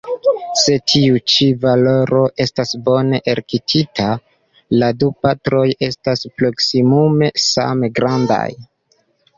Se tiu ĉi valoro estas bone elektita, la du partoj estas proksimume same grandaj.